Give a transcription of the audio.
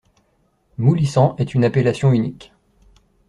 Moulicent est une appellation unique.